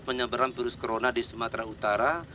dan menyeberang virus corona di sumatera utara